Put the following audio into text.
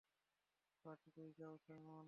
পার্টিতে যাও, সাইমন।